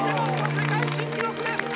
世界新記録です！